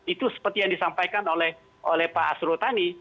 itu seperti yang disampaikan oleh pak asro tani